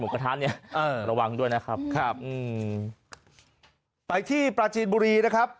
ไปที่ประจีนบุรีนะครับ